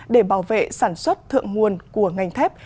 để bảo vệ sản xuất thượng nguồn của ngành thép